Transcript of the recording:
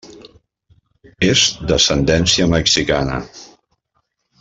És d'ascendència mexicana.